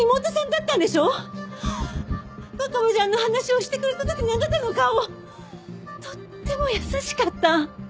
若葉ちゃんの話をしてくれた時のあなたの顔とっても優しかった。